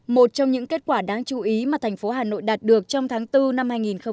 một trong những kết quả đáng chú ý mà thành phố hà nội đạt được trong tháng bốn năm hai nghìn hai mươi